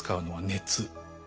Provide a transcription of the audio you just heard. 熱？